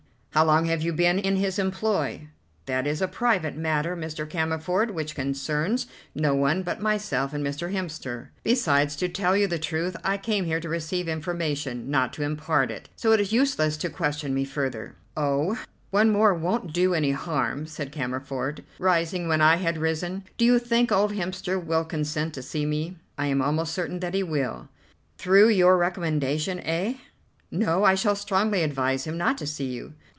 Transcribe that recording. "How long have you been in his employ?" "That is a private matter, Mr. Cammerford, which concerns no one but myself and Mr. Hemster. Besides, to tell you the truth, I came here to receive information, not to impart it; so it is useless to question me further." "Oh, one more won't do any harm," said Cammerford, rising when I had risen; "do you think old Hemster will consent to see me?" "I am almost certain that he will." "Through your recommendation, eh?" "No, I shall strongly advise him not to see you."